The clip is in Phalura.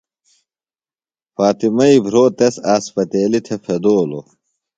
فاطمئی بھرو تس اسپتیلیۡ پھدولوۡ۔